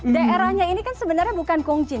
daerahnya ini kan sebenarnya bukan kung chin